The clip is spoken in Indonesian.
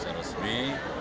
dan dalam waktu dekat ini